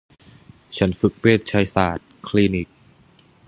ฉันฝึกเวชศาสตร์คลินิก